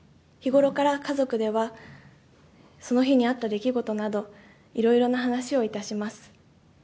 日頃から、家族ではその日にあった出来事など、いろいろな話をいたします。